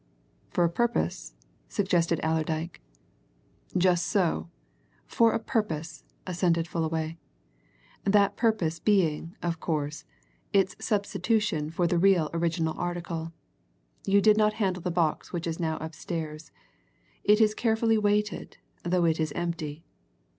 "For a purpose?" suggested Allerdyke. "Just so for a purpose," assented Fullaway. "That purpose being, of course, its substitution for the real original article. You did not handle the box which is now upstairs it is carefully weighted, though it is empty.